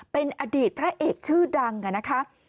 เป็นอดีตพระเอกชื่อดังนะคะ